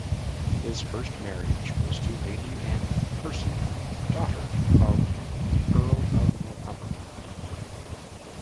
His first marriage was to Lady Anne Percy, daughter of the Earl of Northumberland.